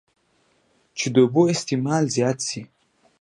چې د اوبو استعمال زيات شي